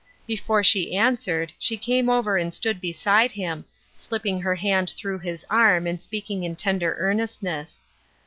Before she answered she came over and stood beside him, slipping her hand through his arm and speaking in tender earnestness.